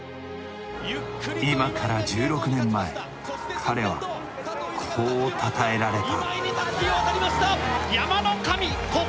今から１６年前、彼はこう、たたえられた。